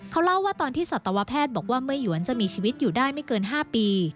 เขาเล่าว่าตอนที่สัตวแพทย์บอกว่าเมื่อหยวนจะมีชีวิตอยู่ได้ไม่เกิน๕ปี